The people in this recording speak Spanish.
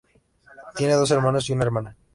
Tiene dos hermanos y una hermana.